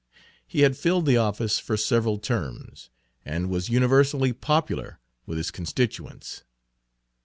He had filled the office for several terms, and was universally popular with his constituents.